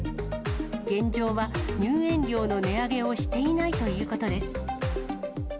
現状は入園料の値上げをしていないということです。